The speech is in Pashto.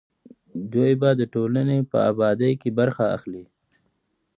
دوی به د ټولنې په ابادۍ کې برخه اخلي.